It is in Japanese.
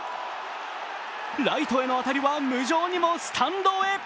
ライトへの当たりは無情にもスタンドへ。